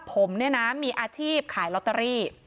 ผมเนี่ยนะมีอาชีพขายลอตเตอรี่